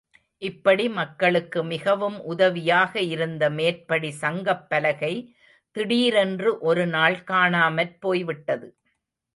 இப்படி மக்களுக்கு மிகவும் உதவியாக இருந்த மேற்படி சங்கப்பலகை திடீரென்று ஒரு நாள் காணாமற்போய்விட்டது.